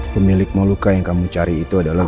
pemilik maluka yang kamu cari itu adalah